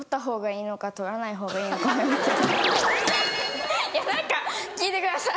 いや何か聞いてください！